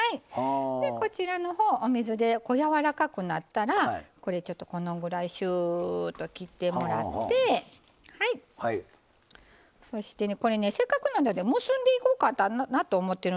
こちらのほうお水でやわらかくなったらこれちょっとこのぐらいシューッと切ってもらってそしてこれねせっかくなので結んでいこうかなと思ってるんですわ。